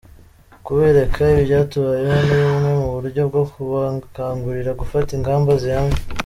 Kubereka ibyatubayeho ni bumwe mu buryo bwo kubakangurira gufata ingamba zihamye.